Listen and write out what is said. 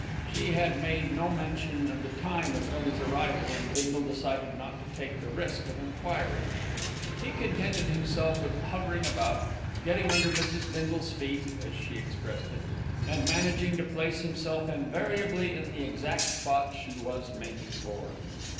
She had made no mention of the time of Millie's arrival, and Bindle decided not to take the risk of enquiring. He contented himself with hovering about, getting under Mrs. Bindle's feet, as she expressed it, and managing to place himself invariably in the exact spot she was making for.